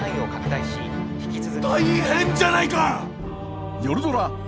大変じゃないか。